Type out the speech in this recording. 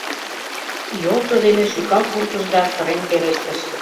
Йолжо дене шӱкал пуртыш да сырен пелештыш: